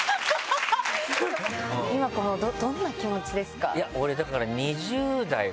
今どんな気持ちですか？